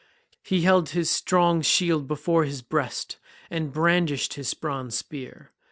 He held his strong shield before his breast, and brandished his bronze spear.